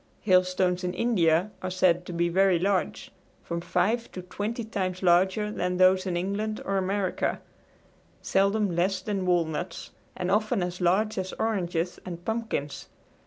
Hailstones in India are said to be very large from five to twenty times larger than those in England or America seldom less than walnuts and often as large as oranges and pumpkins.